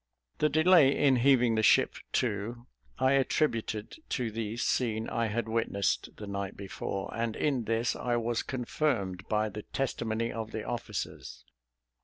The delay in heaving the ship to, I attributed to the scene I had witnessed the night before; and in this, I was confirmed by the testimony of the officers.